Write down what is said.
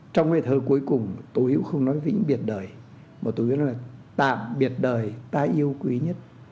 trong bài thơ cuối cùng tôi hữu không nói về những biệt đời mà tôi hữu nói là tạm biệt đời ta yêu quý nhất